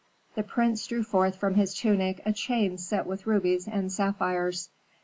The prince drew forth from his tunic a chain set with rubies and sapphires.